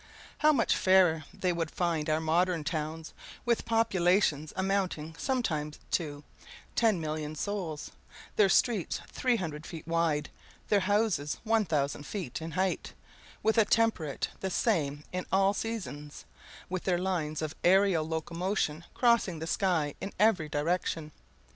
How much fairer they would find our modern towns, with populations amounting sometimes to 10,000,000 souls; their streets 300 feet wide, their houses 1000 feet in height; with a temperature the same in all seasons; with their lines of aërial locomotion crossing the sky in every direction!